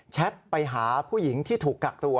แท็ตไปหาผู้หญิงที่ถูกกักตัว